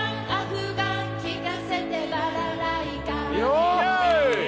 イエイ！